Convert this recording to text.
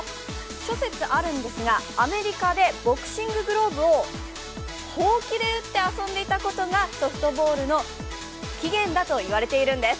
諸説あるんですがアメリカでボクシンググローブをほうきで打って遊んでいたことがソフトボールの起源だといわれているんです。